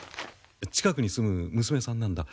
近くに住む娘さんなんだ。